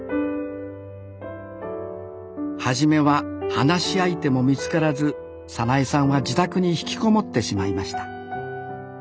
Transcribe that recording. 初めは話し相手も見つからず早苗さんは自宅に引きこもってしまいました。